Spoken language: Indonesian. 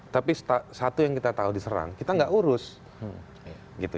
tapi satu yang kita tahu diserang kita nggak urus gitu